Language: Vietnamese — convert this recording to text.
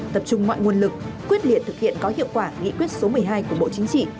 tập trung mọi nguồn lực quyết liệt thực hiện có hiệu quả nghị quyết số một mươi hai của bộ chính trị